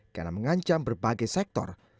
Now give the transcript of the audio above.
karena mengancam berbagai sektor